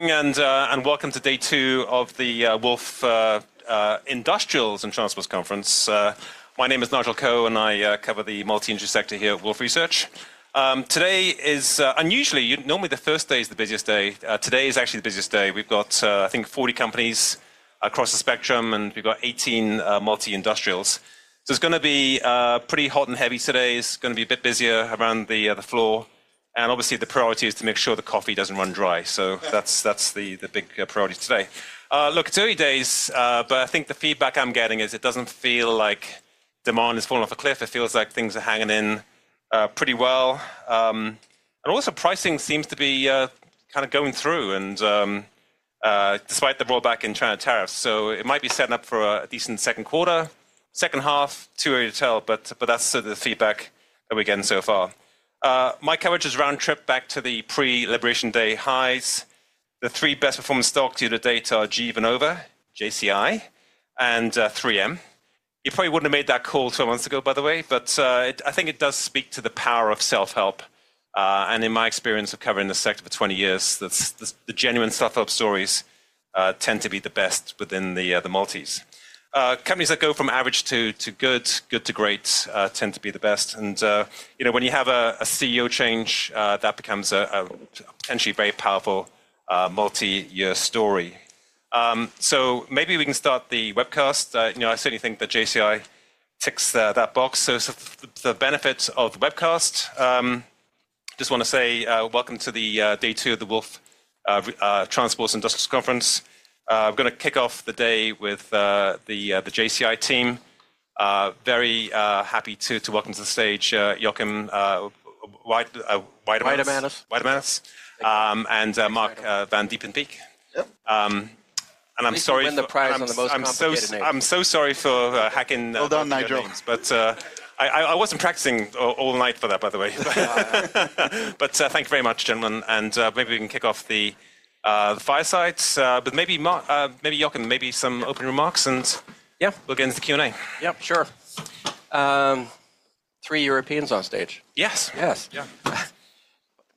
Welcome to day two of the Wolfe Industrials International Conference. My name is Nigel Koh, and I cover the multi-industry sector here at Wolfe Research. Today is unusually—normally, the first day is the busiest day. Today is actually the busiest day. We've got, I think, 40 companies across the spectrum, and we've got 18 multi-industrials. It is going to be pretty hot and heavy today. It is going to be a bit busier around the floor. Obviously, the priority is to make sure the coffee does not run dry. That is the big priority today. Look, it is early days, but I think the feedback I am getting is it does not feel like demand is falling off a cliff. It feels like things are hanging in pretty well. Also, pricing seems to be kind of going through, despite the rollback in China tariffs. It might be setting up for a decent second quarter, second half, too early to tell, but that's the feedback that we're getting so far. My coverage has round-tripped back to the pre-liberation day highs. The three best-performing stocks due to the data are GE Vernova, JCI, and 3M. You probably wouldn't have made that call 12 months ago, by the way, but I think it does speak to the power of self-help. In my experience of covering the sector for 20 years, the genuine self-help stories tend to be the best within the multis. Companies that go from average to good, good to great, tend to be the best. When you have a CEO change, that becomes a potentially very powerful multi-year story. Maybe we can start the webcast. I certainly think that JCI ticks that box. The benefits of webcast. Just want to say welcome to day two of the Wolf Transport Industries Conference. We're going to kick off the day with the JCI team. Very happy to welcome to the stage Joakim Weidemanis. Weidemaniss. Joakim Weidemanis. And Marc Vandiepenbeeck. And I'm sorry. I'm winning the prize on the most participated name. I'm so sorry for hacking. Well done, Nigel. I was not practicing all night for that, by the way. Thank you very much, gentlemen. Maybe we can kick off the firesides. Joakim, maybe some open remarks, and yeah, we will get into the Q&A. Yep, sure. Three Europeans on stage. Yes. Yes. Yeah.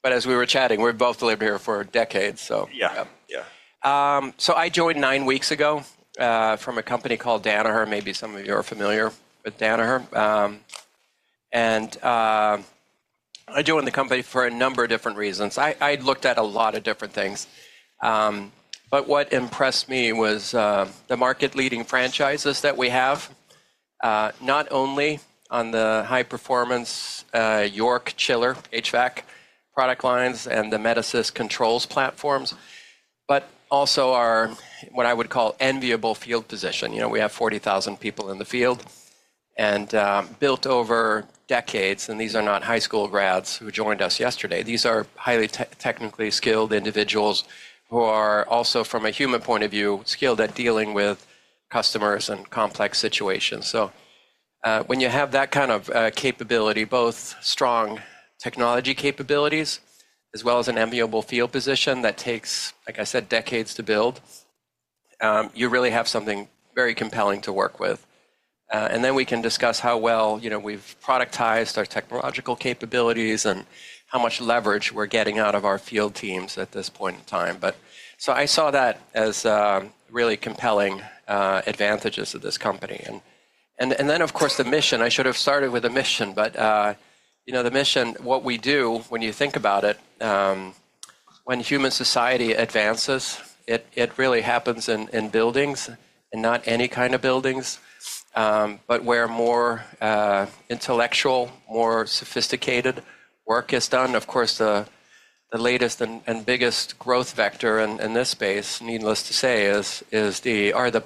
As we were chatting, we've both lived here for decades, so. Yeah. Yeah. I joined nine weeks ago from a company called Danaher. Maybe some of you are familiar with Danaher. I joined the company for a number of different reasons. I looked at a lot of different things. What impressed me was the market-leading franchises that we have, not only on the high-performance York Chiller HVAC product lines and the Metasys Controls platforms, but also our, what I would call, enviable field position. We have 40,000 people in the field and built over decades. These are not high school grads who joined us yesterday. These are highly technically skilled individuals who are also, from a human point of view, skilled at dealing with customers and complex situations. When you have that kind of capability, both strong technology capabilities as well as an enviable field position that takes, like I said, decades to build, you really have something very compelling to work with. We can discuss how well we've productized our technological capabilities and how much leverage we're getting out of our field teams at this point in time. I saw that as really compelling advantages of this company. Of course, the mission. I should have started with the mission, but the mission, what we do, when you think about it, when human society advances, it really happens in buildings and not any kind of buildings, but where more intellectual, more sophisticated work is done. Of course, the latest and biggest growth vector in this space, needless to say, are the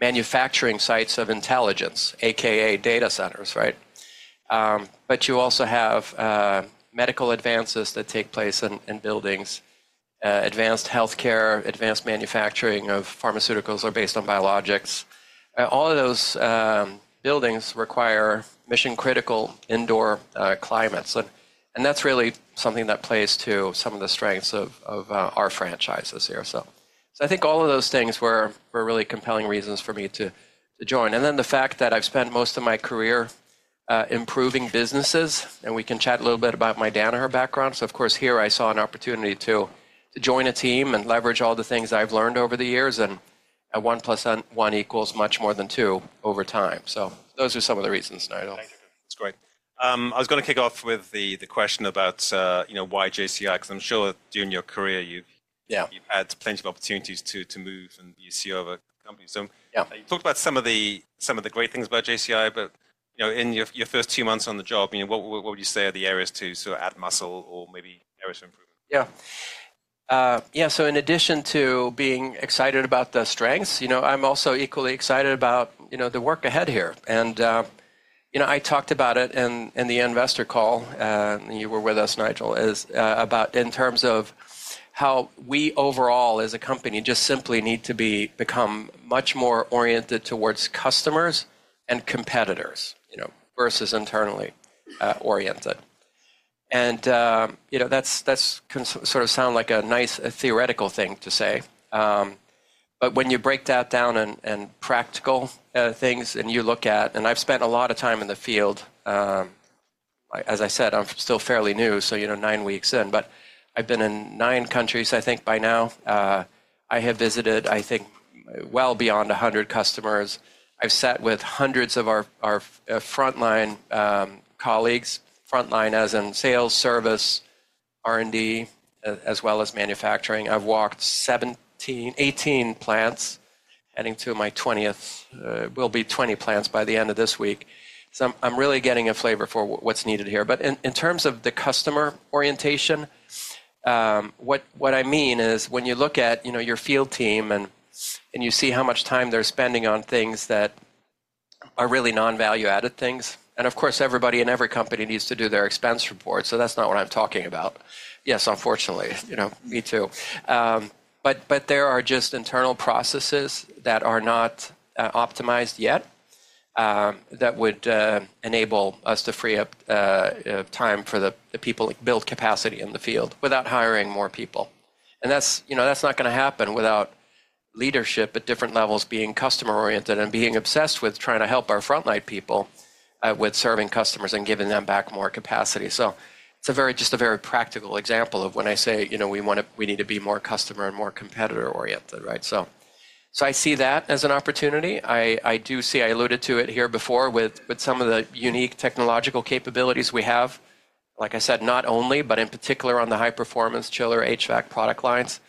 manufacturing sites of intelligence, a.k.a. data centers, right? You also have medical advances that take place in buildings, advanced healthcare, advanced manufacturing of pharmaceuticals or based on biologics. All of those buildings require mission-critical indoor climates. That is really something that plays to some of the strengths of our franchises here. I think all of those things were really compelling reasons for me to join. The fact that I have spent most of my career improving businesses, and we can chat a little bit about my Danaher background. Of course, here I saw an opportunity to join a team and leverage all the things I have learned over the years. One plus one equals much more than two over time. Those are some of the reasons, Nigel. That's great. I was going to kick off with the question about why JCI, because I'm sure during your career, you've had plenty of opportunities to move and see other companies. You talked about some of the great things about JCI, but in your first two months on the job, what would you say are the areas to add muscle or maybe areas for improvement? Yeah. Yeah. In addition to being excited about the strengths, I'm also equally excited about the work ahead here. I talked about it in the investor call, and you were with us, Nigel, about in terms of how we overall, as a company, just simply need to become much more oriented towards customers and competitors versus internally oriented. That sort of sounds like a nice theoretical thing to say. When you break that down in practical things and you look at, and I've spent a lot of time in the field. As I said, I'm still fairly new, so nine weeks in. I have been in nine countries, I think, by now. I have visited, I think, well beyond 100 customers. I've sat with hundreds of our frontline colleagues, frontline as in sales, service, R&D, as well as manufacturing. I've walked 18 plants, heading to my 20th, will be 20 plants by the end of this week. I'm really getting a flavor for what's needed here. In terms of the customer orientation, what I mean is when you look at your field team and you see how much time they're spending on things that are really non-value-added things. Of course, everybody in every company needs to do their expense report. That's not what I'm talking about. Yes, unfortunately, me too. There are just internal processes that are not optimized yet that would enable us to free up time for the people to build capacity in the field without hiring more people. That's not going to happen without leadership at different levels being customer-oriented and being obsessed with trying to help our frontline people with serving customers and giving them back more capacity. It is just a very practical example of when I say we need to be more customer and more competitor-oriented, right? I see that as an opportunity. I alluded to it here before with some of the unique technological capabilities we have. Like I said, not only, but in particular on the high-performance chiller HVAC product lines,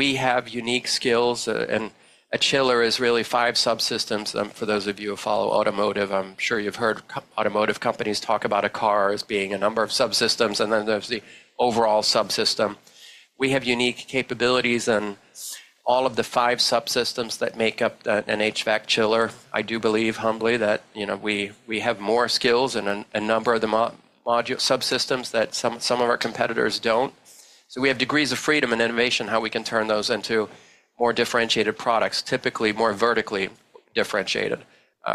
we have unique skills. A chiller is really five subsystems. For those of you who follow automotive, I am sure you have heard automotive companies talk about a car as being a number of subsystems, and then there is the overall subsystem. We have unique capabilities in all of the five subsystems that make up an HVAC chiller. I do believe, humbly, that we have more skills in a number of the subsystems that some of our competitors do not. We have degrees of freedom and innovation in how we can turn those into more differentiated products, typically more vertically differentiated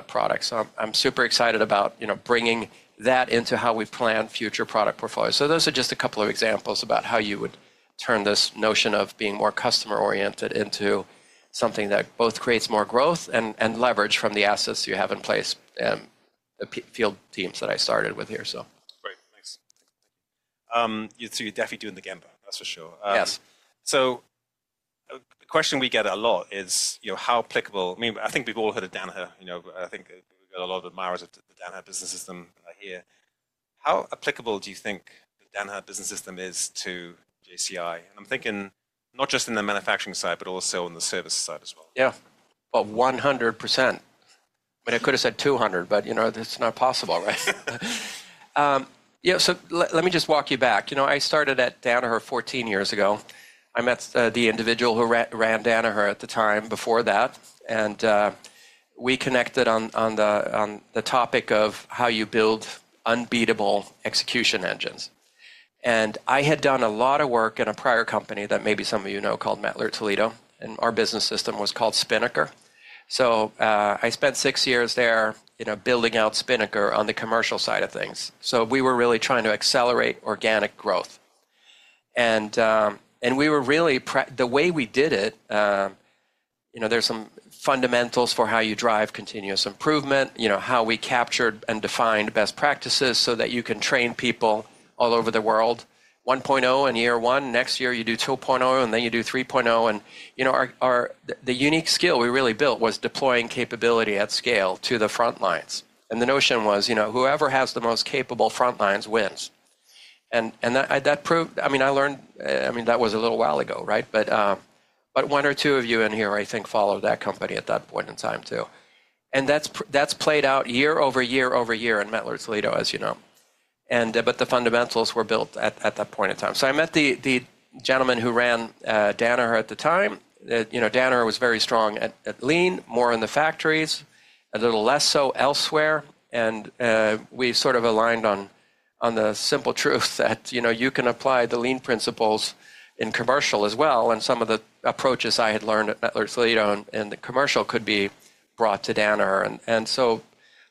products. I'm super excited about bringing that into how we plan future product portfolios. Those are just a couple of examples about how you would turn this notion of being more customer-oriented into something that both creates more growth and leverage from the assets you have in place and the field teams that I started with here. Great. Thanks. You're definitely doing the gamble, that's for sure. Yes. The question we get a lot is how applicable, I mean, I think we've all heard of Danaher. I think we've got a lot of admirers of the Danaher Business System here. How applicable do you think the Danaher Business System is to JCI? I'm thinking not just in the manufacturing side, but also on the service side as well. Yeah, 100%. I mean, I could have said 200, but that's not possible, right? Yeah. Let me just walk you back. I started at Danaher 14 years ago. I met the individual who ran Danaher at the time before that. We connected on the topic of how you build unbeatable execution engines. I had done a lot of work in a prior company that maybe some of you know called Mettler-Toledo. Our business system was called Spinnaker. I spent six years there building out Spinnaker on the commercial side of things. We were really trying to accelerate organic growth. The way we did it, there are some fundamentals for how you drive continuous improvement, how we captured and defined best practices so that you can train people all over the world. 1.0 in year one. Next year, you do 2.0, and then you do 3.0. The unique skill we really built was deploying capability at scale to the frontlines. The notion was whoever has the most capable frontlines wins. That proved, I mean, I learned, I mean, that was a little while ago, right? One or two of you in here, I think, followed that company at that point in time too. That has played out year over year over year in Mettler-Toledo, as you know. The fundamentals were built at that point in time. I met the gentleman who ran Danaher at the time. Danaher was very strong at lean, more in the factories, a little less so elsewhere. We sort of aligned on the simple truth that you can apply the lean principles in commercial as well. Some of the approaches I had learned at Mettler-Toledo in the commercial could be brought to Danaher.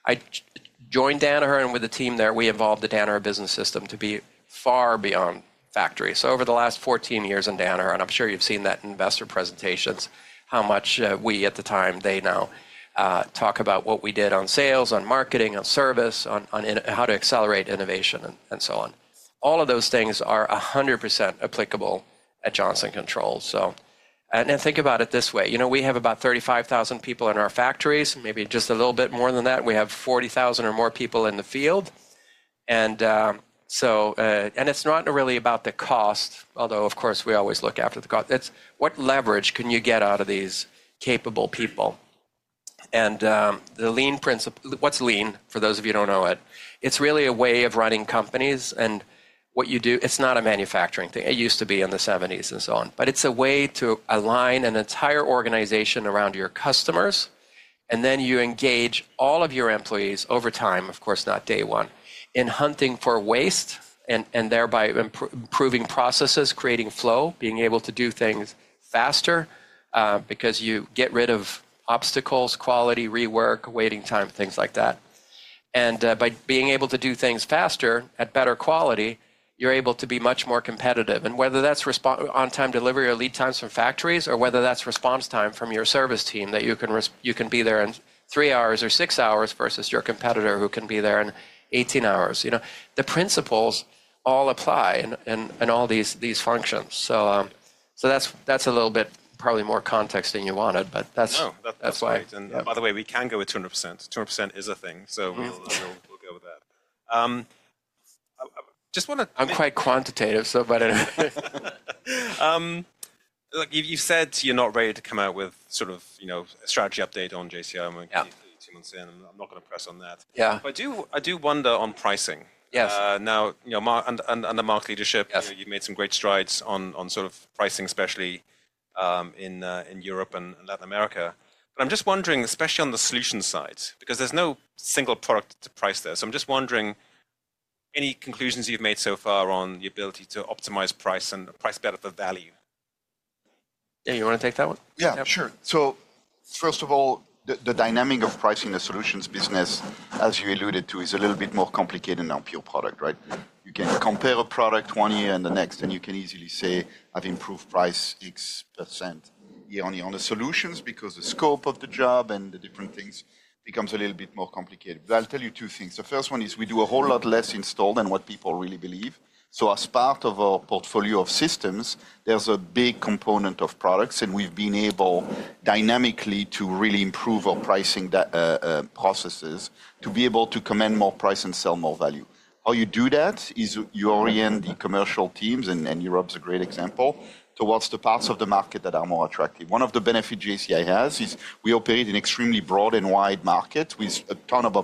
I joined Danaher, and with the team there, we evolved the Danaher Business System to be far beyond factories. Over the last 14 years in Danaher, and I'm sure you've seen that in investor presentations, how much we at the time, they now talk about what we did on sales, on marketing, on service, on how to accelerate innovation, and so on. All of those things are 100% applicable at Johnson Controls. Think about it this way. We have about 35,000 people in our factories, maybe just a little bit more than that. We have 40,000 or more people in the field. It's not really about the cost, although, of course, we always look after the cost. It's what leverage can you get out of these capable people? The lean principle, what's lean, for those of you who don't know it, it's really a way of running companies. What you do, it's not a manufacturing thing. It used to be in the 1970s and so on. It is a way to align an entire organization around your customers. You engage all of your employees over time, of course, not day one, in hunting for waste and thereby improving processes, creating flow, being able to do things faster because you get rid of obstacles, quality, rework, waiting time, things like that. By being able to do things faster at better quality, you're able to be much more competitive. Whether that's on-time delivery or lead times from factories, or whether that's response time from your service team, that you can be there in three hours or six hours versus your competitor who can be there in 18 hours. The principles all apply in all these functions. That's a little bit probably more context than you wanted, but that's why. No, that's great. By the way, we can go with 200%. 200% is a thing. We'll go with that. Just want to. I'm quite quantitative, but. Look, you've said you're not ready to come out with sort of a strategy update on JCI in two months' time. I'm not going to press on that. Yeah. I do wonder on pricing. Yes. Now, under Marc's leadership, you've made some great strides on sort of pricing, especially in Europe and Latin America. I'm just wondering, especially on the solution side, because there's no single product to price there. I'm just wondering, any conclusions you've made so far on the ability to optimize price and price better for value? Yeah, you want to take that one? Yeah, sure. First of all, the dynamic of pricing the solutions business, as you alluded to, is a little bit more complicated than a pure product, right? You can compare a product one year and the next, and you can easily say, "I've improved price X% year on year." On the solutions, because the scope of the job and the different things becomes a little bit more complicated. I'll tell you two things. The first one is we do a whole lot less install than what people really believe. As part of our portfolio of systems, there's a big component of products, and we've been able dynamically to really improve our pricing processes to be able to command more price and sell more value. How you do that is you orient the commercial teams, and Europe's a great example, towards the parts of the market that are more attractive. One of the benefits JCI has is we operate in extremely broad and wide markets with a ton of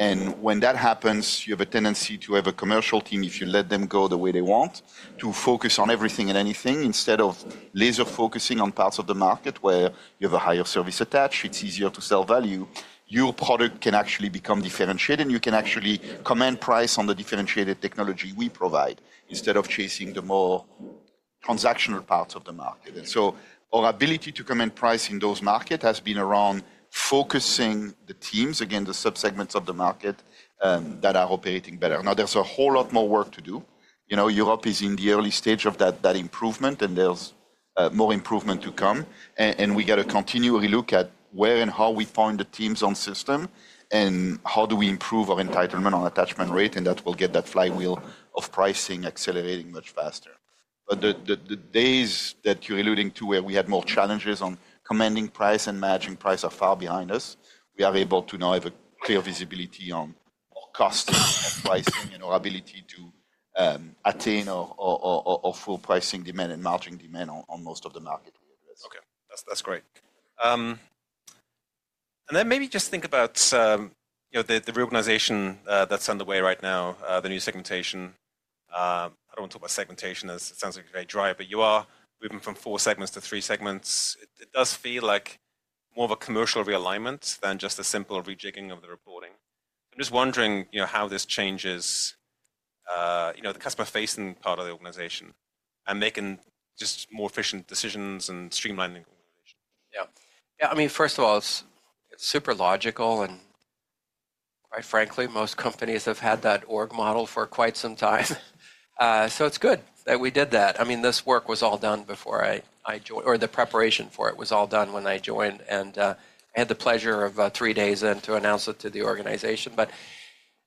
opportunity. When that happens, you have a tendency to have a commercial team, if you let them go the way they want, to focus on everything and anything instead of laser-focusing on parts of the market where you have a higher service attached. It's easier to sell value. Your product can actually become differentiated, and you can actually command price on the differentiated technology we provide instead of chasing the more transactional parts of the market. Our ability to command price in those markets has been around focusing the teams, again, the subsegments of the market that are operating better. Now, there's a whole lot more work to do. Europe is in the early stage of that improvement, and there's more improvement to come. We got to continue to look at where and how we find the teams on system and how do we improve our entitlement on attachment rate. That will get that flywheel of pricing accelerating much faster. The days that you're alluding to where we had more challenges on commanding price and managing price are far behind us. We are able to now have a clear visibility on our cost of pricing and our ability to attain our full pricing demand and margin demand on most of the market we address. Okay. That's great. Maybe just think about the reorganization that's underway right now, the new segmentation. I do not want to talk about segmentation as it sounds like it's very dry, but you are moving from four segments to three segments. It does feel like more of a commercial realignment than just a simple rejigging of the reporting. I'm just wondering how this changes the customer-facing part of the organization and making just more efficient decisions and streamlining the organization. Yeah. Yeah, I mean, first of all, it's super logical. And quite frankly, most companies have had that org model for quite some time. So it's good that we did that. I mean, this work was all done before I joined, or the preparation for it was all done when I joined. And I had the pleasure of three days in to announce it to the organization.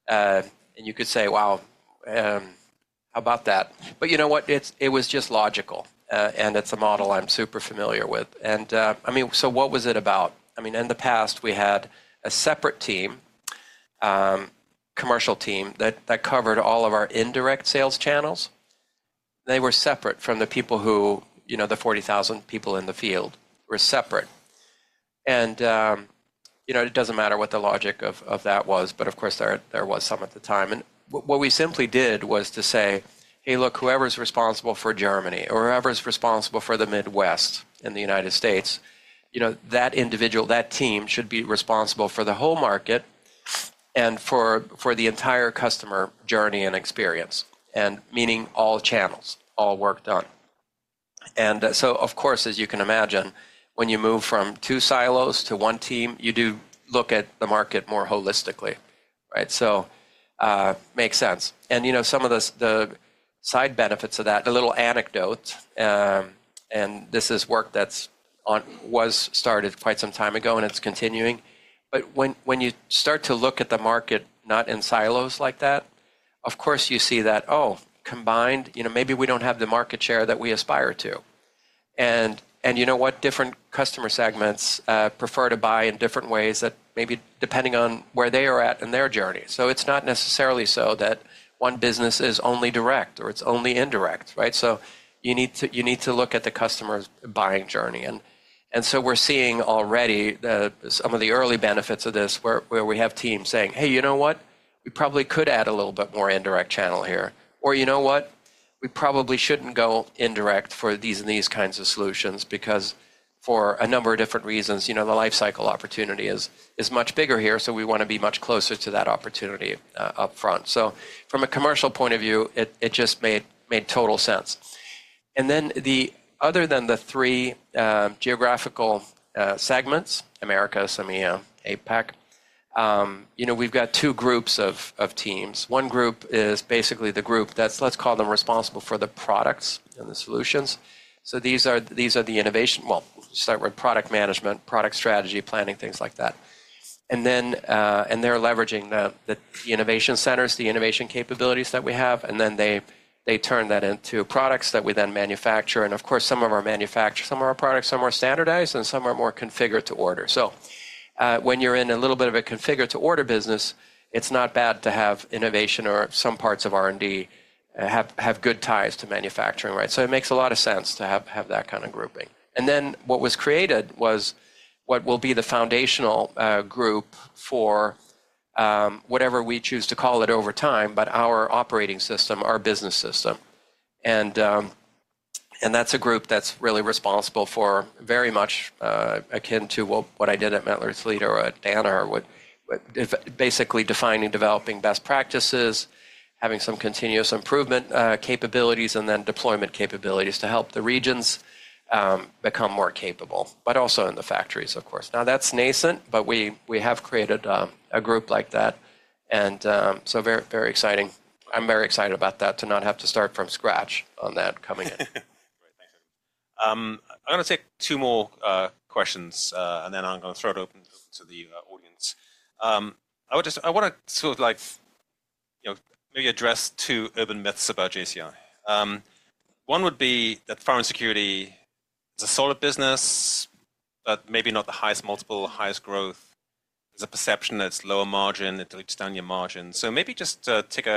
You could say, "Wow, how about that?" You know what? It was just logical. It's a model I'm super familiar with. I mean, so what was it about? In the past, we had a separate team, commercial team, that covered all of our indirect sales channels. They were separate from the people who, the 40,000 people in the field were separate. It does not matter what the logic of that was, but of course, there was some at the time. What we simply did was to say, "Hey, look, whoever is responsible for Germany or whoever is responsible for the Midwest in the United States, that individual, that team should be responsible for the whole market and for the entire customer journey and experience," meaning all channels, all work done. Of course, as you can imagine, when you move from two silos to one team, you do look at the market more holistically, right? It makes sense. Some of the side benefits of that, a little anecdote, and this is work that was started quite some time ago, and it is continuing. When you start to look at the market not in silos like that, of course, you see that, oh, combined, maybe we do not have the market share that we aspire to. And you know what? Different customer segments prefer to buy in different ways that maybe depending on where they are at in their journey. So it is not necessarily so that one business is only direct or it is only indirect, right? You need to look at the customer's buying journey. We are seeing already some of the early benefits of this where we have teams saying, "Hey, you know what? We probably could add a little bit more indirect channel here." Or, "You know what? We probably should not go indirect for these and these kinds of solutions because for a number of different reasons, the life cycle opportunity is much bigger here. We want to be much closer to that opportunity upfront. From a commercial point of view, it just made total sense. Other than the three geographical segments, Americas, EMEA, APAC, we have two groups of teams. One group is basically the group that's, let's call them, responsible for the products and the solutions. These are the innovation, we start with product management, product strategy, planning, things like that. They're leveraging the innovation centers, the innovation capabilities that we have. They turn that into products that we then manufacture. Of course, some of our products are standardized, and some are more configured to order. When you're in a little bit of a configured-to-order business, it's not bad to have innovation or some parts of R&D have good ties to manufacturing, right? It makes a lot of sense to have that kind of grouping. What was created was what will be the foundational group for whatever we choose to call it over time, but our operating system, our business system. That is a group that is really responsible for very much akin to what I did at Mettler-Toledo at Danaher, basically defining and developing best practices, having some continuous improvement capabilities, and then deployment capabilities to help the regions become more capable, but also in the factories, of course. Now, that is nascent, but we have created a group like that. Very exciting. I am very excited about that, to not have to start from scratch on that coming in. Great. Thanks, everyone. I'm going to take two more questions, and then I'm going to throw it open to the audience. I want to sort of maybe address two urban myths about JCI. One would be that pharma security is a solid business, but maybe not the highest multiple, highest growth. There's a perception that it's lower margin. It's down your margin. Maybe just take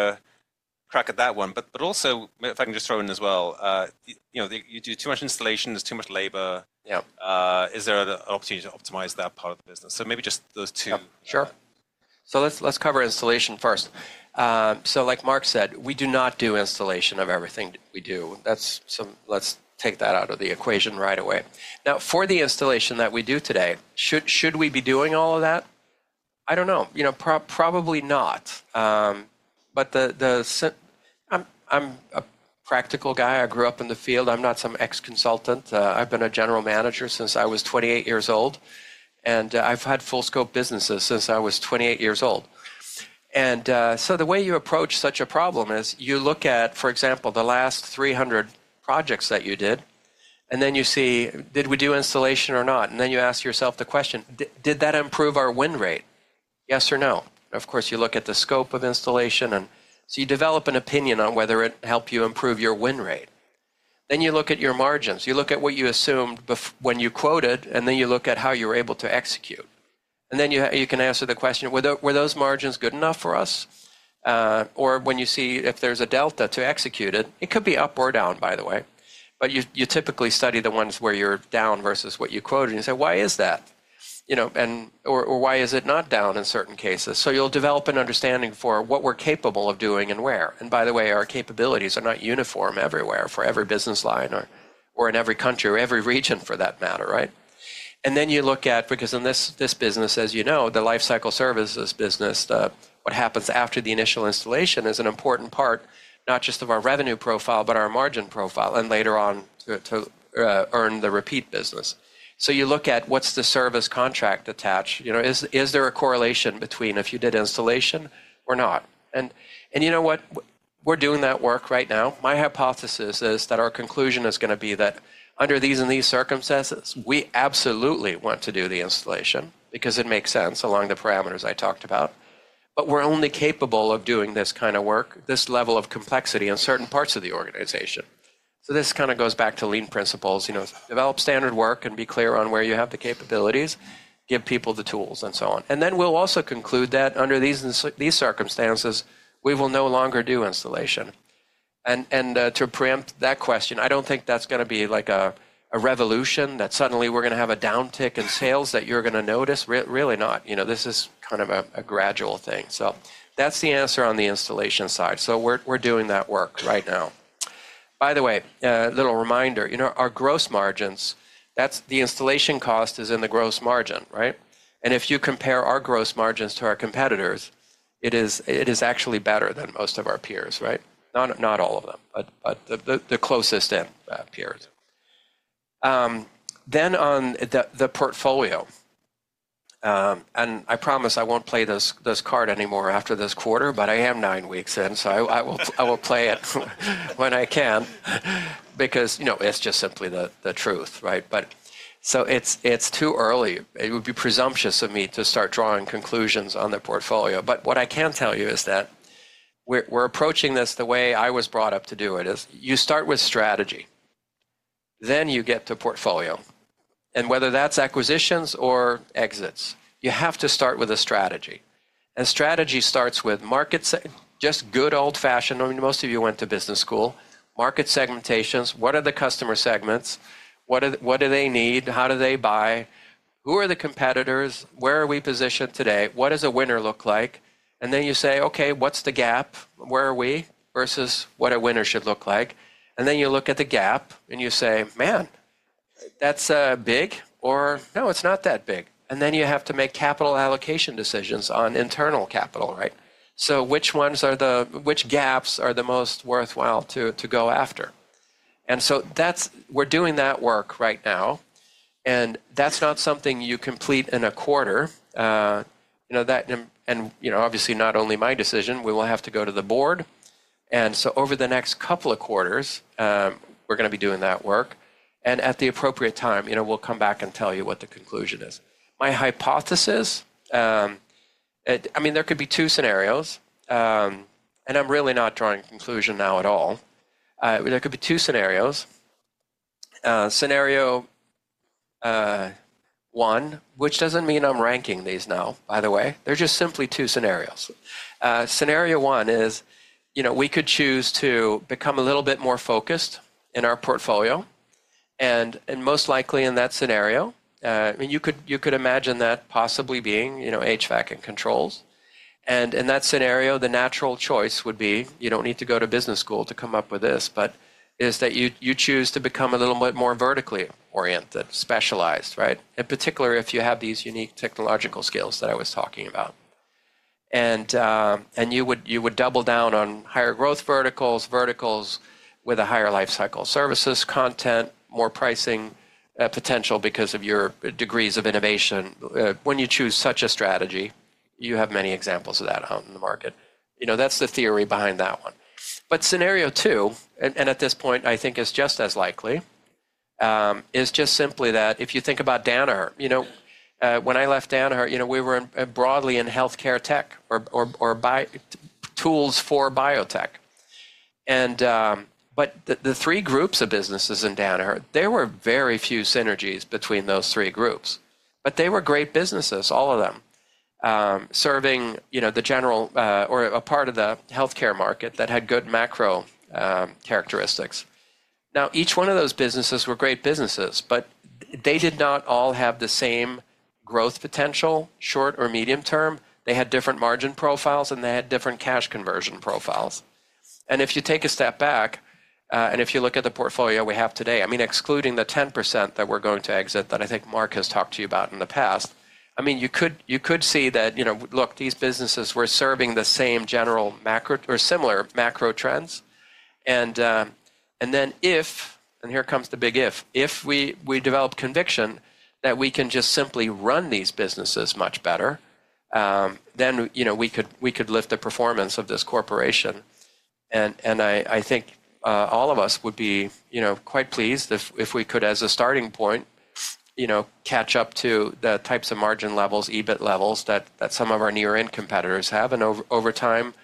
a crack at that one. Also, if I can just throw in as well, you do too much installation. There's too much labor. Yeah. Is there an opportunity to optimize that part of the business? Maybe just those two. Sure. Let's cover installation first. Like Marc said, we do not do installation of everything we do. Let's take that out of the equation right away. Now, for the installation that we do today, should we be doing all of that? I do not know. Probably not. I am a practical guy. I grew up in the field. I am not some ex-consultant. I have been a general manager since I was 28 years old. I have had full-scope businesses since I was 28 years old. The way you approach such a problem is you look at, for example, the last 300 projects that you did, and then you see, did we do installation or not? Then you ask yourself the question, did that improve our win rate? Yes or no? Of course, you look at the scope of installation. You develop an opinion on whether it helped you improve your win rate. You look at your margins. You look at what you assumed when you quoted, and then you look at how you were able to execute. You can answer the question, were those margins good enough for us? When you see if there is a delta to execute it, it could be up or down, by the way. You typically study the ones where you are down versus what you quoted. You say, "Why is that?" or, "Why is it not down in certain cases?" You will develop an understanding for what we are capable of doing and where. By the way, our capabilities are not uniform everywhere for every business line or in every country or every region for that matter, right? You look at, because in this business, as you know, the life cycle services business, what happens after the initial installation is an important part, not just of our revenue profile, but our margin profile and later on to earn the repeat business. You look at what's the service contract attached. Is there a correlation between if you did installation or not? You know what? We're doing that work right now. My hypothesis is that our conclusion is going to be that under these and these circumstances, we absolutely want to do the installation because it makes sense along the parameters I talked about. We're only capable of doing this kind of work, this level of complexity in certain parts of the organization. This kind of goes back to lean principles. Develop standard work and be clear on where you have the capabilities, give people the tools, and so on. We will also conclude that under these circumstances, we will no longer do installation. To preempt that question, I do not think that is going to be like a revolution that suddenly we are going to have a downtick in sales that you are going to notice. Really not. This is kind of a gradual thing. That is the answer on the installation side. We are doing that work right now. By the way, little reminder, our gross margins, that is the installation cost is in the gross margin, right? If you compare our gross margins to our competitors, it is actually better than most of our peers, right? Not all of them, but the closest in peers. On the portfolio, and I promise I will not play this card anymore after this quarter, but I am nine weeks in. I will play it when I can because it is just simply the truth, right? It is too early. It would be presumptuous of me to start drawing conclusions on the portfolio. What I can tell you is that we are approaching this the way I was brought up to do it. You start with strategy. Then you get to portfolio. Whether that is acquisitions or exits, you have to start with a strategy. Strategy starts with markets, just good old-fashioned. I mean, most of you went to business school. Market segmentations. What are the customer segments? What do they need? How do they buy? Who are the competitors? Where are we positioned today? What does a winner look like? You say, "Okay, what's the gap? Where are we?" versus what a winner should look like. You look at the gap and you say, "Man, that's big," or, "No, it's not that big." You have to make capital allocation decisions on internal capital, right? Which gaps are the most worthwhile to go after? We're doing that work right now. That's not something you complete in a quarter. Obviously, not only my decision. We will have to go to the board. Over the next couple of quarters, we're going to be doing that work. At the appropriate time, we'll come back and tell you what the conclusion is. My hypothesis, I mean, there could be two scenarios. I'm really not drawing a conclusion now at all. There could be two scenarios. Scenario one, which does not mean I'm ranking these now, by the way. They're just simply two scenarios. Scenario one is we could choose to become a little bit more focused in our portfolio. I mean, you could imagine that possibly being HVAC and controls. In that scenario, the natural choice would be, you do not need to go to business school to come up with this, but is that you choose to become a little bit more vertically oriented, specialized, right? In particular, if you have these unique technological skills that I was talking about. You would double down on higher growth verticals, verticals with a higher life cycle services content, more pricing potential because of your degrees of innovation. When you choose such a strategy, you have many examples of that out in the market. That is the theory behind that one. Scenario two, and at this point, I think it's just as likely, is just simply that if you think about Danaher, when I left Danaher, we were broadly in healthcare tech or tools for biotech. The three groups of businesses in Danaher, there were very few synergies between those three groups. They were great businesses, all of them, serving the general or a part of the healthcare market that had good macro characteristics. Now, each one of those businesses were great businesses, but they did not all have the same growth potential short or medium term. They had different margin profiles, and they had different cash conversion profiles. If you take a step back, and if you look at the portfolio we have today, I mean, excluding the 10% that we're going to exit that I think Marc has talked to you about in the past, I mean, you could see that, look, these businesses were serving the same general macro or similar macro trends. If, and here comes the big if, if we develop conviction that we can just simply run these businesses much better, then we could lift the performance of this corporation. I think all of us would be quite pleased if we could, as a starting point, catch up to the types of margin levels, EBIT levels that some of our near-end competitors have and over time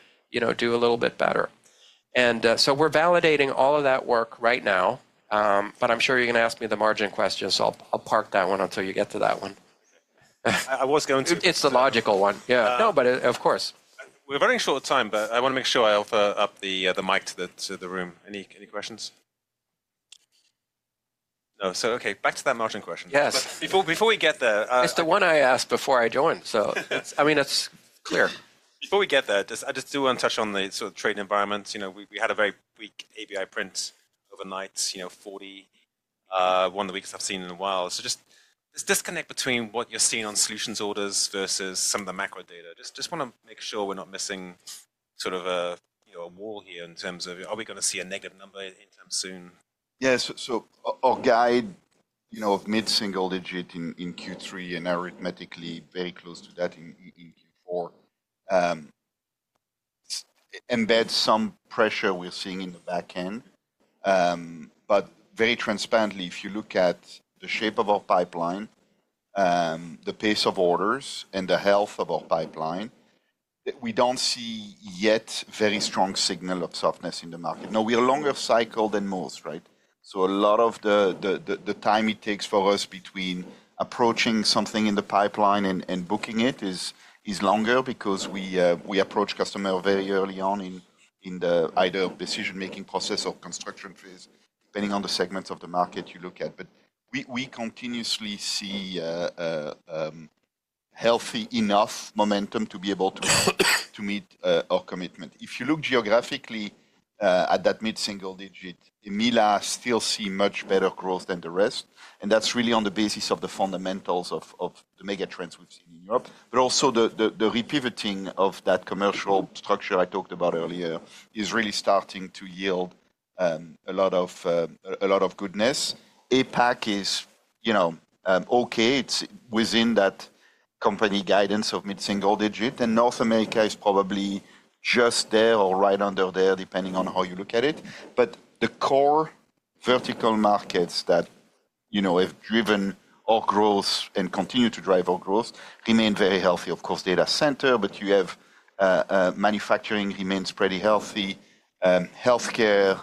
do a little bit better. We are validating all of that work right now. I'm sure you're going to ask me the margin questions. I'll park that one until you get to that one. I was going to. It's the logical one. Yeah. No, but of course. We're running short of time, but I want to make sure I offer up the mic to the room. Any questions? No. Okay, back to that margin question. Yes. Before we get there. It's the one I asked before I joined. I mean, that's clear. Before we get there, I just do want to touch on the sort of trade environments. We had a very weak ABI print overnight, 40, one of the weakest I've seen in a while. Just this disconnect between what you're seeing on solutions orders versus some of the macro data. Just want to make sure we're not missing sort of a wall here in terms of, are we going to see a negative number in terms soon? Yes. Our guide of mid-single digit in Q3 and arithmetically very close to that in Q4 embeds some pressure we are seeing in the back end. Very transparently, if you look at the shape of our pipeline, the pace of orders, and the health of our pipeline, we do not see yet very strong signal of softness in the market. Now, we are longer cycle than most, right? A lot of the time it takes for us between approaching something in the pipeline and booking it is longer because we approach customer very early on in the either decision-making process or construction phase, depending on the segments of the market you look at. We continuously see healthy enough momentum to be able to meet our commitment. If you look geographically at that mid-single digit, we still see much better growth than the rest. That is really on the basis of the fundamentals of the mega trends we have seen in Europe. Also, the repivoting of that commercial structure I talked about earlier is really starting to yield a lot of goodness. APAC is okay. It is within that company guidance of mid-single digit. North America is probably just there or right under there, depending on how you look at it. The core vertical markets that have driven our growth and continue to drive our growth remain very healthy. Of course, data center, but you have manufacturing remains pretty healthy. Healthcare,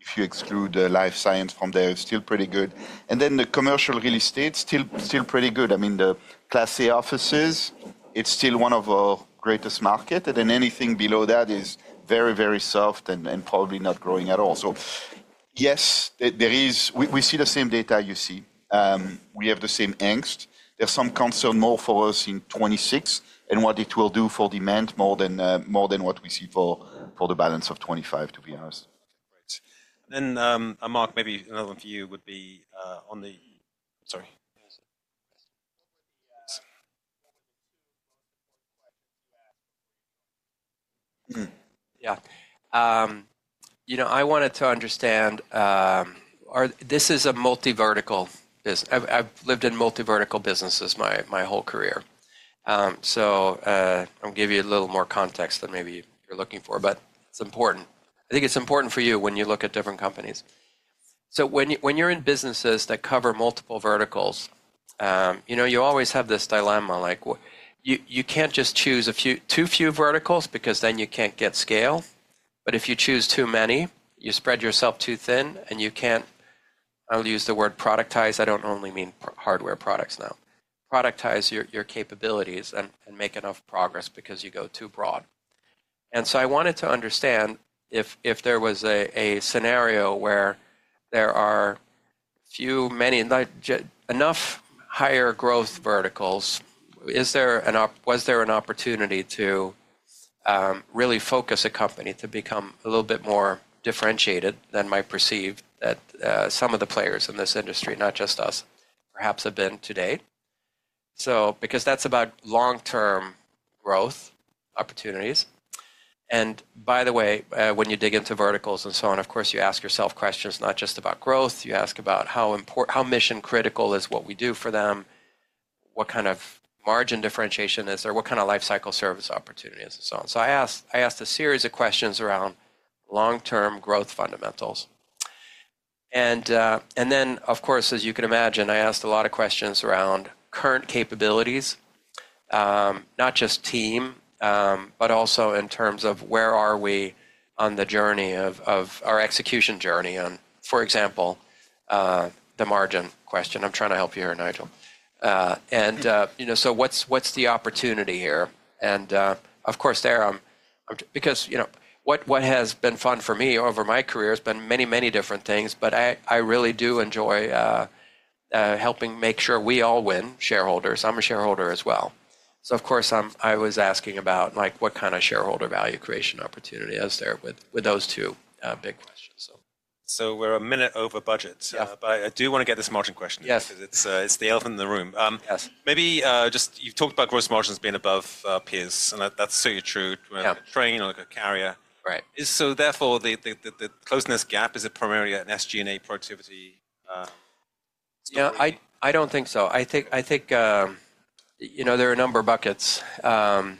if you exclude life science from there, still pretty good. The commercial real estate, still pretty good. I mean, the Class A offices, it is still one of our greatest markets. Anything below that is very, very soft and probably not growing at all. Yes, we see the same data you see. We have the same angst. There is some concern more for us in 2026 and what it will do for demand more than what we see for the balance of 2025, to be honest. Mark, maybe another one for you would be on the sorry. Yeah. I wanted to understand, this is a multi-vertical business. I've lived in multi-vertical businesses my whole career. I'll give you a little more context than maybe you're looking for, but it's important. I think it's important for you when you look at different companies. When you're in businesses that cover multiple verticals, you always have this dilemma. You can't just choose too few verticals because then you can't get scale. If you choose too many, you spread yourself too thin, and you can't, I'll use the word productize. I don't only mean hardware products now. Productize your capabilities and make enough progress because you go too broad. I wanted to understand if there was a scenario where there are few, many, enough higher growth verticals, was there an opportunity to really focus a company to become a little bit more differentiated than might perceive that some of the players in this industry, not just us, perhaps have been today? That is about long-term growth opportunities. By the way, when you dig into verticals and so on, of course, you ask yourself questions not just about growth. You ask about how mission-critical is what we do for them, what kind of margin differentiation is there, what kind of life cycle service opportunities, and so on. I asked a series of questions around long-term growth fundamentals. Of course, as you can imagine, I asked a lot of questions around current capabilities, not just team, but also in terms of where are we on the journey of our execution journey. For example, the margin question. I'm trying to help you here, Nigel. What's the opportunity here? There, because what has been fun for me over my career has been many, many different things, but I really do enjoy helping make sure we all win, shareholders. I'm a shareholder as well. I was asking about what kind of shareholder value creation opportunity is there with those two big questions. We're a minute over budget. I do want to get this margin question because it's the elephant in the room. Maybe just, you've talked about gross margins being above peers, and that's certainly true to a Trane or a Carrier. Therefore, the closeness gap, is it primarily an SG&A productivity? Yeah, I do not think so. I think there are a number of buckets. At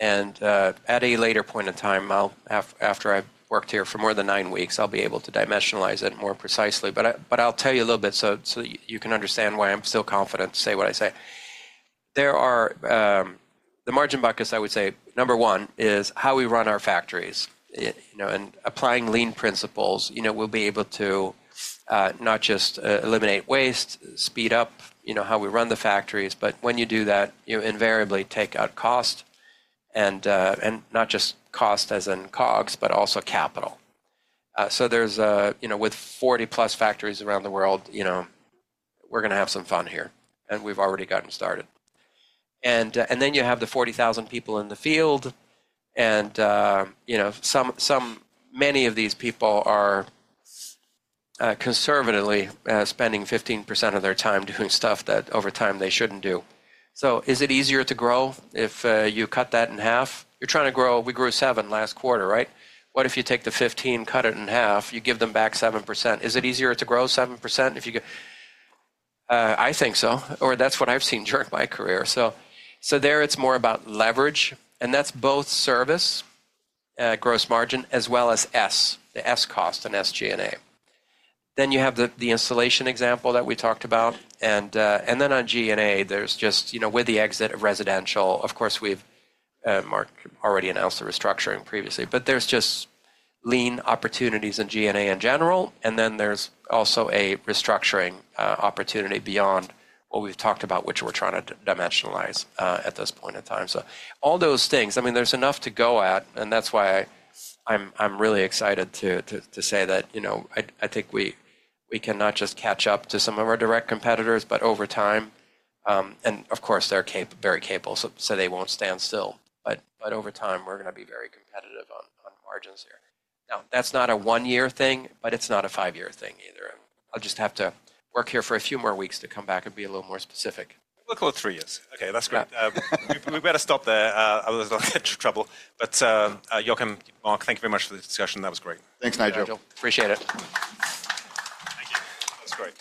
a later point in time, after I have worked here for more than nine weeks, I will be able to dimensionalize it more precisely. I will tell you a little bit so you can understand why I am still confident to say what I say. The margin buckets, I would say, number one is how we run our factories. Applying lean principles, we will be able to not just eliminate waste, speed up how we run the factories, but when you do that, invariably take out cost, and not just cost as in COGS, but also capital. With 40+ factories around the world, we are going to have some fun here. We have already gotten started. Then you have the 40,000 people in the field. Many of these people are conservatively spending 15% of their time doing stuff that over time they should not do. Is it easier to grow if you cut that in half? You are trying to grow, we grew 7% last quarter, right? What if you take the 15%, cut it in half, you give them back 7%? Is it easier to grow 7% if you get? I think so. That is what I have seen during my career. There it is more about leverage. That is both service, gross margin, as well as the S cost in SG&A. You have the installation example that we talked about. On G&A, with the exit of residential, of course, we have already announced the restructuring previously. There are just lean opportunities in G&A in general. There is also a restructuring opportunity beyond what we have talked about, which we are trying to dimensionalize at this point in time. All those things, I mean, there is enough to go at. That is why I am really excited to say that I think we can not just catch up to some of our direct competitors, but over time, and of course, they are very capable, so they will not stand still. Over time, we are going to be very competitive on margins here. That is not a one-year thing, but it is not a five-year thing either. I will just have to work here for a few more weeks to come back and be a little more specific. We'll call it three years. Okay, that's great. We better stop there. Otherwise, I'll get into trouble. But Joakim, Marc, thank you very much for the discussion. That was great. Thanks, Nigel. Appreciate it. Thank you. That was great.